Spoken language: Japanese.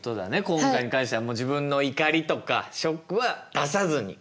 今回に関してはもう自分の怒りとかショックは出さずに。